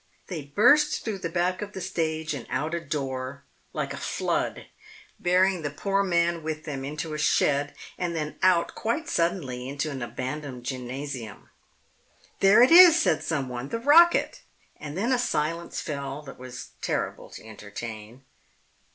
They burst through the back of the stage and out a door, like a flood, bearing the poor man with them into a shed, and then out, quite suddenly, into an abandoned gymnasium. "There it is!" said someone. "The rocket." And then a silence fell that was terrible to entertain.